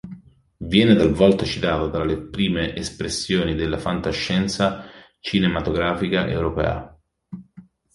Viene talvolta citato tra le prime espressioni della fantascienza cinematografica europea.